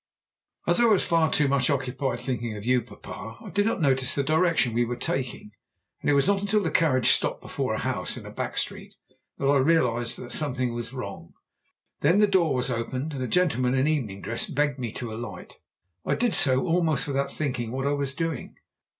"As I was far too much occupied thinking of you, papa, I did not notice the direction we were taking, and it was not until the carriage stopped before a house in a back street that I realized that something was wrong. Then the door was opened, and a gentleman in evening dress begged me to alight. I did so, almost without thinking what I was doing.